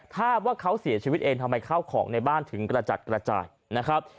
ถ้าว่าเขาเสียชีวิตเองทำไมข้าวของในบ้านถึงกระจัดกระจายนะครับ